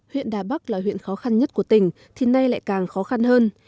huyện đà bắc là huyện khó khăn nhất của tỉnh thì nay lại càng khó khăn hơn